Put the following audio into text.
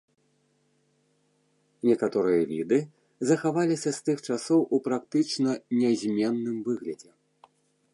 Некаторыя віды захаваліся з тых часоў у практычна нязменным выглядзе.